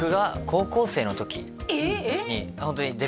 高校生の時？